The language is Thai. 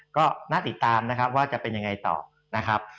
ก็น่าติดตามนะครับว่าจะเป็นยังไงต่อนะครับ